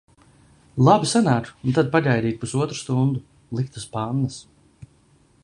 Labi sanāk! Un tad pagaidīt pusotru stundu. Likt uz pannas.